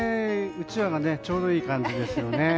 うちわがちょうどいい感じですよね。